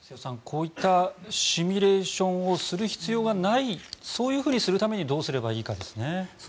こういったシミュレーションをする必要がないそういうふうにするためにどうすればいいかですね。